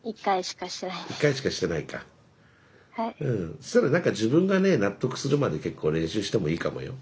そしたら何か自分がね納得するまで結構練習してもいいかもよ。